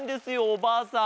おばあさん。